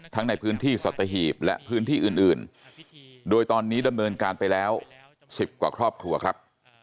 ทั้งในพื้นที่สัตหีบและพื้นที่อื่นโดยตอนนี้ดำเนินการไปแล้ว๑๐กว่าครอบครัวครับ